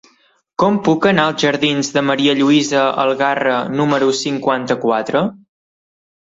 Com puc anar als jardins de Ma. Lluïsa Algarra número cinquanta-quatre?